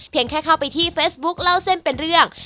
แค่เข้าไปที่เฟซบุ๊คเล่าเส้นเป็นเรื่อง